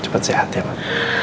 cepet sehat ya pak